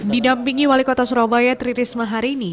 didampingi wali kota surabaya tri risma hari ini